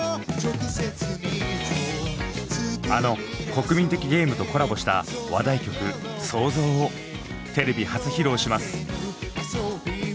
あの国民的ゲームとコラボした話題曲「創造」をテレビ初披露します。